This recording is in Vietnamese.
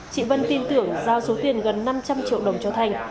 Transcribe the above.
chị vân tin tưởng giao số tiền gần năm trăm linh triệu đồng cho thành